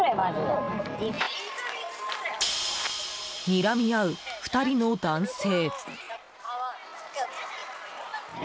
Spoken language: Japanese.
にらみ合う２人の男性。